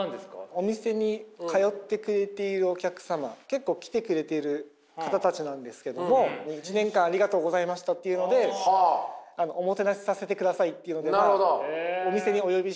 お店に通ってくれているお客様結構来てくれている方たちなんですけども一年間ありがとうございましたっていうのでおもてなしさせてくださいっていうのでお店にお呼びして。